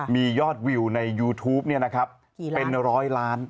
มียอดวิวในยูทูปนี่นะครับเป็นร้อยล้าน